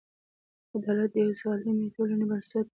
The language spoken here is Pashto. عدالت د یوې سالمې ټولنې بنسټ دی.